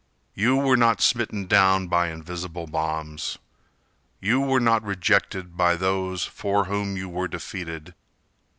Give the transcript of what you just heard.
You were not smitten down By invisible bombs. You were not rejected By those for whom you were defeated.